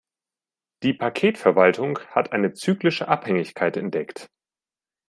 Die Paketverwaltung hat eine zyklische Abhängigkeit entdeckt.